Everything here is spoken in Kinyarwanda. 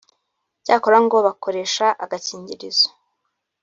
cyakora ngo bakoresha agakigirizo